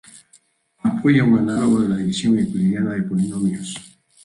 Apoya un análogo de la división euclidiana de polinomios.